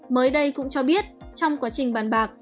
mới đây cũng cho biết trong quá trình bàn bạc